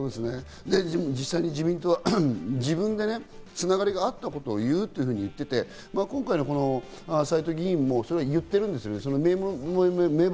実際に自民党は自分で繋がりがあったことを言うと言っていて、今回の斎藤議員もそう言ってるんですね。